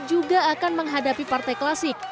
juga akan menghadapi partai klasik